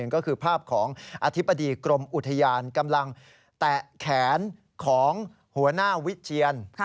ก็คือภาพของอธิบดีกรมอุทยานกำลังแตะแขนของหัวหน้าวิเชียน